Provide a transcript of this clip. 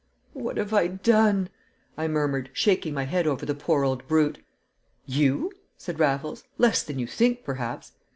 "What have I done!" I murmured, shaking my head over the poor old brute. "You?" said Raffles. "Less than you think, perhaps!"